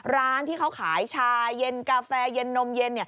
ร้านที่เขาขายชาเย็นกาแฟเย็นนมเย็น